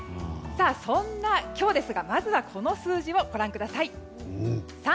そんな今日ですがまずはこの数字をご覧ください。